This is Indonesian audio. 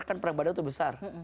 kan perang badan itu besar